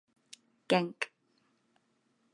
Genk.